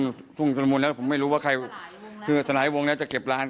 ไม่รู้ต้องต้องก็มุงแล้วผมไม่รู้ว่าใครหรือแต่หลายวงช่างจะเก็บร้าน